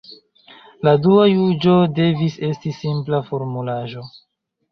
La dua juĝo devis esti simpla formulaĵo.